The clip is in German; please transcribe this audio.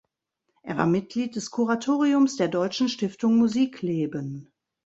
Er war Mitglied des Kuratoriums der Deutschen Stiftung Musikleben.